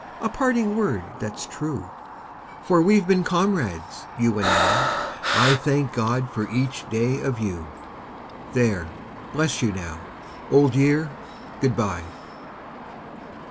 a parting word that's true, For we've been comrades, you and I I THANK GOD FOR EACH DAY OF YOU; There! bless you now! Old Year, good bye!